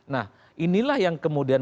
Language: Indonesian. nah inilah yang kemudian